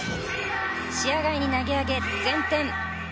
視野外に投げ上げ、前転。